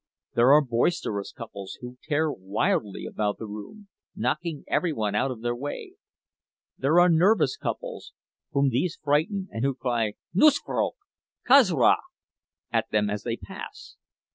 There are boisterous couples, who tear wildly about the room, knocking every one out of their way. There are nervous couples, whom these frighten, and who cry, "Nusfok! Kas yra?" at them as they pass.